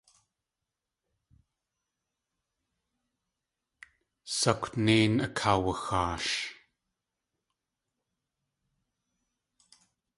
Sakwnéin akaawaxaash.